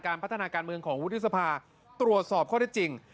พัฒนาการเมืองของวุฒิสภาตรวจสอบข้อได้จริง